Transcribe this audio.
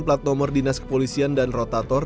plat nomor dinas kepolisian dan rotator